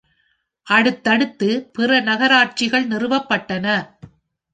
அடுத்தடுத்து பிற நகராட்சிகள் நிறுவப்பட்டன.